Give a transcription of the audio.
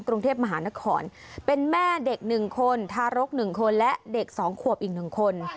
กรุงเทพมหานครเป็นแม่เด็กหนึ่งคนทารกหนึ่งคนและเด็กสองขวบอีกหนึ่งคน